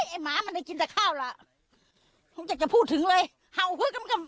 ไอ้หมามันได้กินแต่ข้าวล่ะผมอยากจะพูดถึงเลยเห่าฮึกกำ